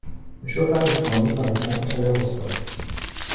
Le chauffage est fourni par des pompes à chaleur au sol.